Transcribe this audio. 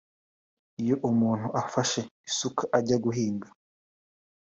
Iyo umuntu afashe isuka ajya guhinga